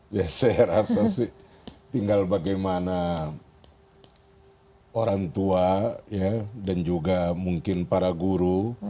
ya saya rasa sih tinggal bagaimana orang tua dan juga mungkin para guru